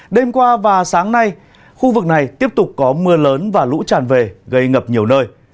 đêm qua và sáng nay khu vực này tiếp tục có mưa lớn và lũ tràn về gây ngập nhiều nơi